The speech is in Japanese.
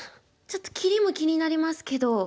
ちょっとキリも気になりますけど。